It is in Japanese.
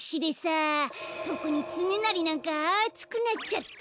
とくにつねなりなんかあつくなっちゃって。